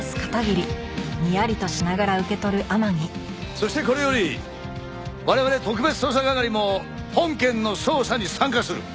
そしてこれより我々特別捜査係も本件の捜査に参加する！